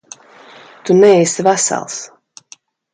Tu neesi vesels.